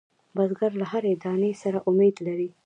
بزګر له هر دانې سره امید لري